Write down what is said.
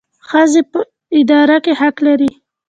ښځې په اداره کې حق لري